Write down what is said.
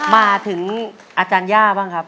มาถึงอาจารย์ย่าบ้างครับ